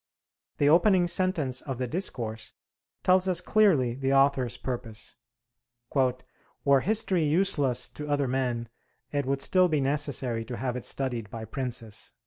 The opening sentence of the 'Discourse' tells us clearly the author's purpose: "Were history useless to other men, it would still be necessary to have it studied by princes."